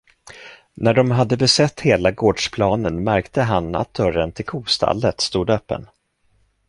När de hade besett hela gårdsplanen märkte han att dörren till kostallet stod öppen.